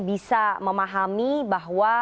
bisa memahami bahwa